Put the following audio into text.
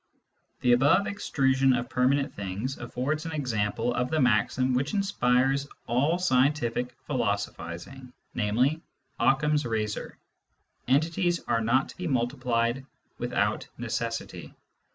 The above extrusion of permanent things affords an example of the maxim which inspires all scientific philo sophising, namely " Occam's razor ": Entities are not to be multiplied without necessity.